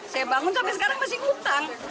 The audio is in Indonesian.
saya bangun sampai sekarang masih hutang